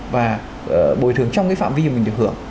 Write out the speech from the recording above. và bồi thường trong cái phạm vi mà mình được hưởng